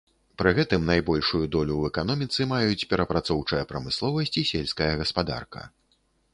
Пры гэтым найбольшую долю ў эканоміцы маюць перапрацоўчая прамысловасць і сельская гаспадарка.